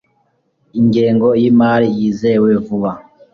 ingengo yimari yizewe vuba